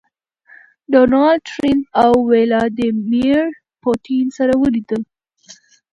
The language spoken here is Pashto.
ډونالډ ټرمپ او ويلاديمير پوتين سره وليدل.